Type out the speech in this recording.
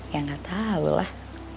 ya gak tau lah